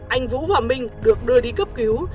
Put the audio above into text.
anh vũ và minh được đưa đi cấp cứu